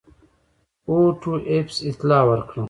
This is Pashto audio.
اوټو ایفز اطلاع ورکړه.